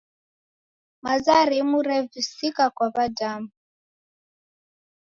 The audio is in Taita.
Maza rimu revisika kwa w'adamu.